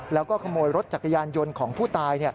แล้วก็ขโมยรถจักรยานยนต์ของผู้ตาย